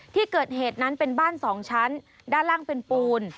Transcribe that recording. ที่เกิดเหตุนั้นเป็นบ้าน๒ชั้นด้านล่างเป็นปูน